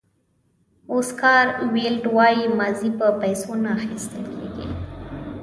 اوسکار ویلډ وایي ماضي په پیسو نه اخیستل کېږي.